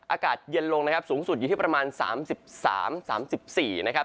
อากาศเย็นลงนะครับสูงสุดอยู่ที่ประมาณ๓๓๔นะครับ